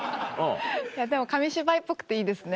でも紙芝居っぽくていいですね。